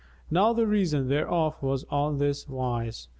Now the reason thereof was on this wise.